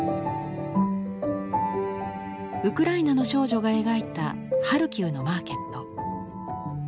ウクライナの少女が描いたハルキウのマーケット。